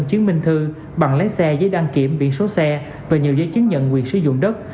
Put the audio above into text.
chứng minh thư bằng lái xe giấy đăng kiểm biển số xe và nhiều giấy chứng nhận quyền sử dụng đất